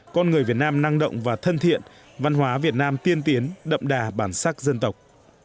con người việt nam năng động và thân thiện văn hóa việt nam tiên tiến đậm đà bản sắc dân tộc